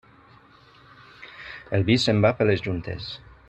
El vi se'n va per les juntes.